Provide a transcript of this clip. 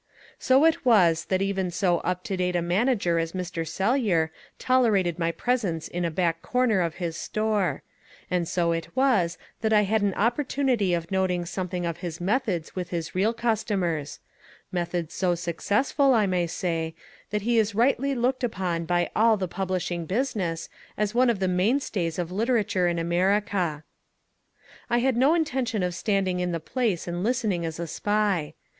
So it was that even so up to date a manager as Mr. Sellyer tolerated my presence in a back corner of his store: and so it was that I had an opportunity of noting something of his methods with his real customers methods so successful, I may say, that he is rightly looked upon by all the publishing business as one of the mainstays of literature in America. I had no intention of standing in the place and listening as a spy.